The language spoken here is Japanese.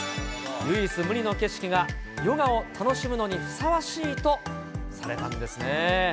唯一無二の景色が、ヨガを楽しむのにふさわしいとされたんですね。